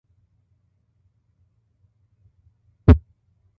Nine of the islands are inhabited.